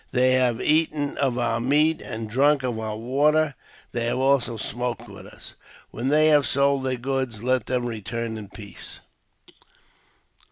They have eaten of our meat and drunk JAMES P. BECKWOUBTH. 113 of our water ; they have also smoked with us. When they have sold their goods let them return in peace."